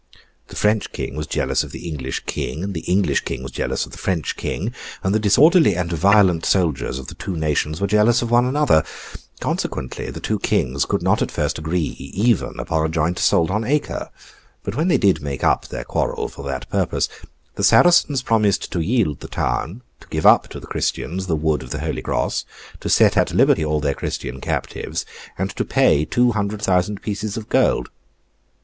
The French King was jealous of the English King, and the English King was jealous of the French King, and the disorderly and violent soldiers of the two nations were jealous of one another; consequently, the two Kings could not at first agree, even upon a joint assault on Acre; but when they did make up their quarrel for that purpose, the Saracens promised to yield the town, to give up to the Christians the wood of the Holy Cross, to set at liberty all their Christian captives, and to pay two hundred thousand pieces of gold.